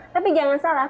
tapi jangan salah